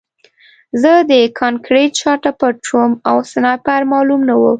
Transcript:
زه د کانکریټ شاته پټ شوم او سنایپر معلوم نه و